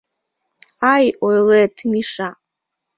— Ай, ойлет, Миша.